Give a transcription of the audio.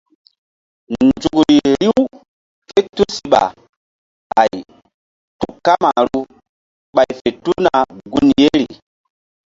Nzukri riw ké tusiɓay tu kamaru ɓay fe tuna gun yeri.